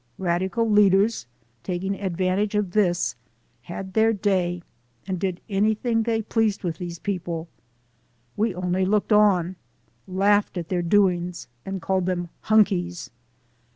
Radical leaders, taking advantage of this, had their day and did anything they pleased with these people. We only looked on, laughed at their doings, and called them 'Hunkies.'